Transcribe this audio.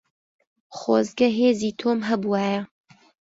خۆزگە هێزی تۆم هەبوایە.